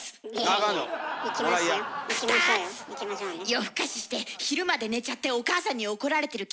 夜更かしして昼まで寝ちゃってお母さんに怒られてる君。